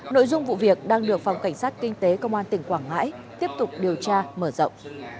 nội dung vụ việc đang được phòng cảnh sát kinh tế công an tỉnh quảng ngãi tiếp tục điều tra mở rộng